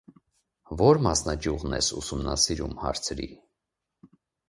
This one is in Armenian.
ո՞ր մասնաճյուղն ես ուսումնասիրում,- հարցրի: